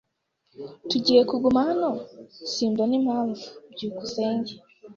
"Tugiye kuguma hano?" "Simbona impamvu." byukusenge